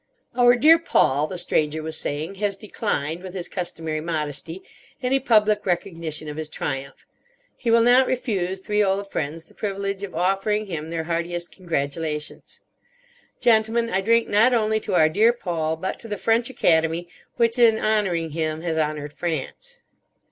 "Our dear Paul," the Stranger was saying, "has declined, with his customary modesty, any public recognition of his triumph. He will not refuse three old friends the privilege of offering him their heartiest congratulations. Gentlemen, I drink not only to our dear Paul, but to the French Academy, which in honouring him has honoured France."